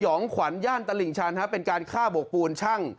องขวัญย่านตลิ่งชันเป็นการฆ่าโบกปูนช่าง